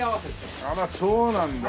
あらそうなんだ。